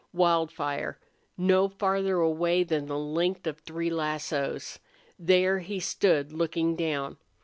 Wildfire no farther away than the length of three lassos! There he stood looking down.